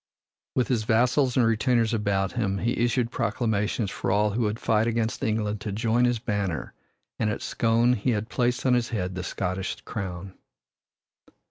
With his vassals and retainers about him, he issued proclamations for all who would fight against England to join his banner, and at Scone he had placed on his head the Scottish crown.